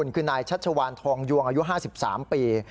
คือนายชัชวานทองยวงอายุ๕๓ปี